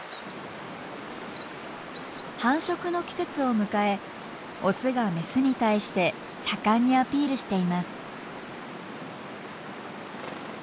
繁殖の季節を迎えオスがメスに対して盛んにアピールしています。